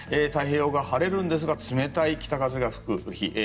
太平洋側は晴れるんですが冷たい北風が吹く日。